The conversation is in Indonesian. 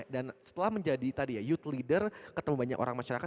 dan setelah menjadi youth leader ketemu banyak orang masyarakat